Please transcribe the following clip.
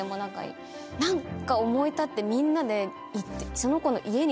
何か思い立ってみんなで。